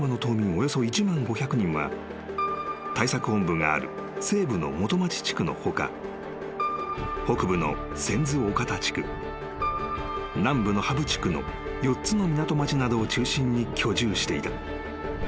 およそ１万５００人は対策本部がある西部の元町地区の他北部の泉津岡田地区南部の波浮地区の４つの港町などを中心に居住していた］